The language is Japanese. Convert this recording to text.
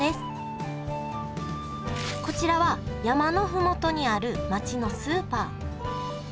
こちらは山の麓にある街のスーパー。